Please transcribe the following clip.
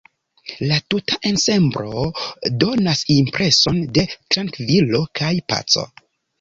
La tuta ensemblo donas impreson de trankvilo kaj paco.